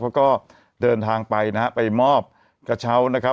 เขาก็เดินทางไปนะฮะไปมอบกระเช้านะครับ